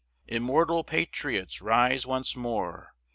Immortal patriots, rise once more!